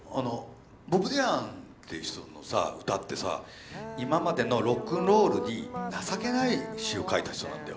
ボブ・ディランっていう人のさ歌ってさ今までのロックンロールに情けない詞を書いた人なんだよ。